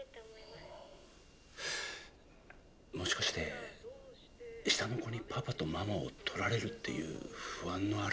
もしかして下の子にパパとママをとられるっていう不安の表れかも。